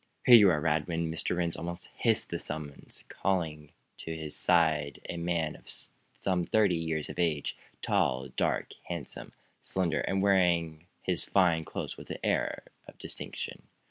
"Here you are, Radwin!" Mr. Rhinds almost hissed the summons, calling to his side a man of some thirty years of age, tall, dark, handsome, slender and wearing his fine clothes with an air of distinction.